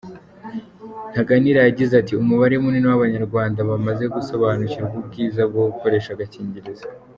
Ntaganira yagize ati “Umubare munini w’Abanyarwanda bamaze gusobanukirwa ubwiza bwo gukoresha agakingirizo.